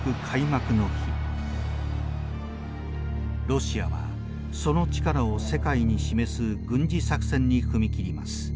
ロシアはその力を世界に示す軍事作戦に踏み切ります。